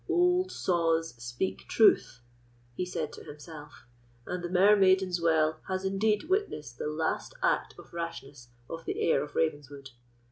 "Old saws speak truth," he said to himself, "and the Mermaiden's Well has indeed witnessed the last act of rashness of the heir of Ravenswood.